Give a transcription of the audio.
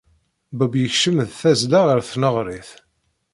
Bob yekcem d tazzla ɣer tneɣrit.